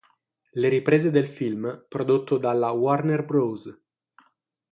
Le riprese del film, prodotto dalla Warner Bros.